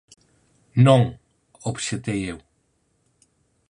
Non −obxectei eu−.